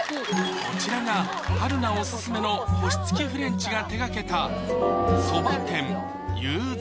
こちらが春菜オススメの星付きフレンチが手がけた蕎麦店